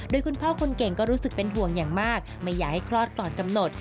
โดยคุณพ่อคนเก่งก็รู้สึกเป็นห่วงอย่างมากไม่อยากให้คลอดก่อนกำหนด